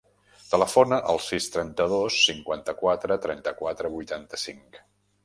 Telefona al sis, trenta-dos, cinquanta-quatre, trenta-quatre, vuitanta-cinc.